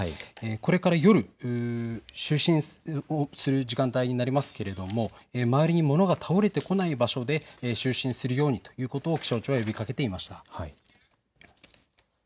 これから夜、就寝をする時間帯になりますけれども周りに物が倒れてこない場所で就寝するようにということを気象庁が呼びかけていました。